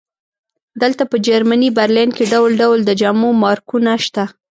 دلته په جرمني برلین کې ډول ډول د جامو مارکونه شته